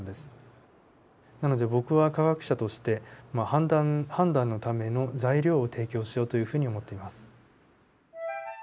なので僕は科学者として判断のための材料を提供しようというふうに思っています。